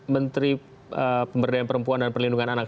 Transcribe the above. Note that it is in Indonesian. menteri pemberdayaan perempuan dan perlindungan anak